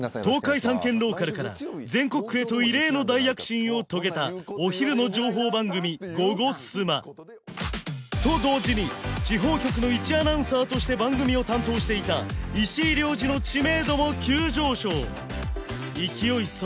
東海３県ローカルから全国区へと異例の大躍進を遂げたお昼の情報番組「ゴゴスマ」と同時に地方局の一アナウンサーとして番組を担当していた石井亮次の知名度も急上昇勢い